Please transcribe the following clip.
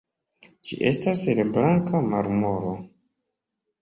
Ĝi estas el blanka marmoro.